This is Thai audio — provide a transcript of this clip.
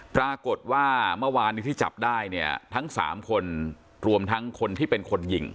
ปรากฏว่าเมื่อวานนี้ที่จับได้เนี่ยทั้ง๓คนรวมทั้งคนที่เป็นคนยิง